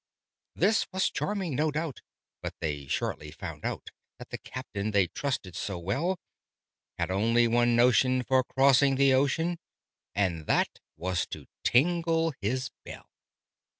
This was charming, no doubt; but they shortly found out That the Captain they trusted so well Had only one notion for crossing the ocean, And that was to tingle his bell.